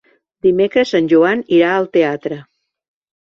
Dimecres en Joan irà al teatre.